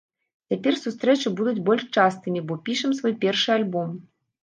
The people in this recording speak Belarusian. Цяпер сустрэчы будуць больш частымі, бо пішам свой першы альбом.